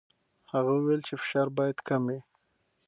هغه وویل چې فشار باید کم وي.